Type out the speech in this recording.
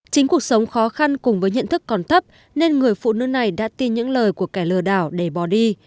chính cuộc sống khó khăn cùng với nhận thức còn thấp nên người phụ nữ này đã tin những lời của kẻ lừa đảo để bỏ đi